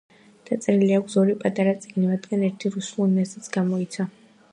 დაწერილი აქვს ორი პატარა წიგნი, მათგან ერთი რუსულ ენაზეც გამოიცა.